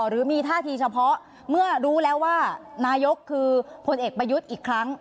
หรือมีท่าทีเฉพาะเมื่อรู้แล้วว่านายกคือพลเอกประยุทธ์อีกครั้ง